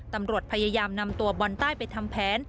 ตำรวจพยายามนำตัวบอลใต้ไปทำแผน